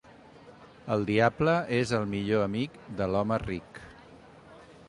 El diable és el millor amic de l'home ric.